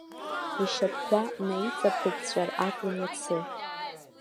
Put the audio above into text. Ишьапқәа наиҵаԥыҵәҵәар акәын иацы!